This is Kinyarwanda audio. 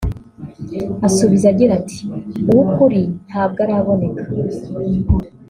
asubiza agira ati “Uw’ukuri ntabwo araboneka